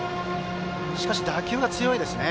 しかし、打球が強いですね。